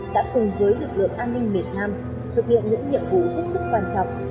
đã cùng với lực lượng an ninh miền nam thực hiện những nhiệm vụ rất quan trọng